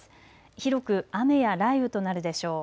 広く雨や雷雨となるでしょう。